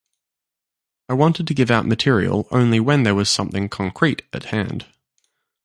I wanted to give out material only when there was something concrete at hand.